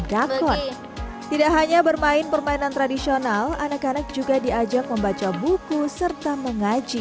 dakon tidak hanya bermain permainan tradisional anak anak juga diajak membaca buku serta mengaji